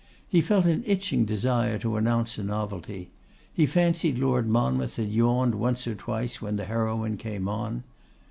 He felt an itching desire to announce a novelty. He fancied Lord Monmouth had yawned once or twice when the heroine came on.